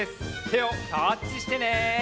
てをタッチしてね！